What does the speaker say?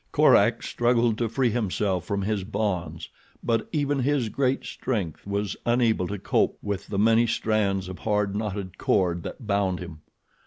Korak struggled to free himself from his bonds, but even his great strength was unable to cope with the many strands of hard knotted cord that bound him.